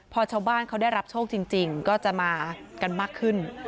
พอชาวบ้านเขาได้รับโชคจริงก็จะมากันมากขึ้น